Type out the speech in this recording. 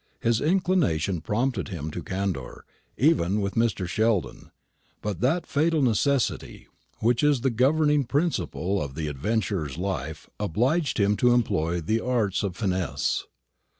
His inclination prompted him to candour, even with Mr. Sheldon; but that fatal necessity which is the governing principle of the adventurer's life obliged him to employ the arts of finesse.